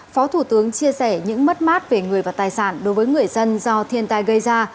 phó thủ tướng chia sẻ những mất mát về người và tài sản đối với người dân do thiên tai gây ra